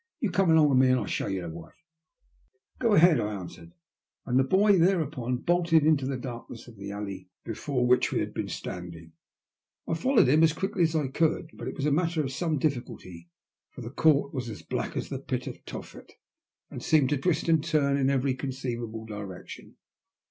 You come along with me and I'll show you the way." '' Go ahead then," I answered, and the boy there upon bolted into the darkness of the alley before 8*i THE LUST OP HATE. which we had been standing. I followed him as quickly as I cooldy but it was a matter of some difficulty, for the court was as black as the Fit of Tophet, and seemed to twist and turn in every con ceivable direction.